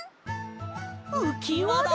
うきわだ！